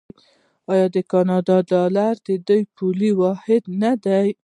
آیا د کاناډا ډالر د دوی پولي واحد نه دی؟